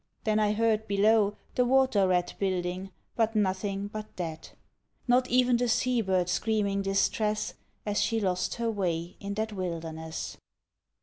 .. Then I heard below The water rat building, but nothing but that; Not even the sea bird screaming distress, As she lost her way in that wilderness.